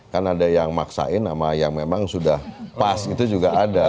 kan ada yang maksain sama yang memang sudah pas itu juga ada